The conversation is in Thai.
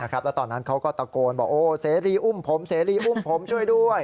แล้วตอนนั้นเขาก็ตะโกนบอกเสรีอุ้มผมเสรีอุ้มผมช่วยด้วย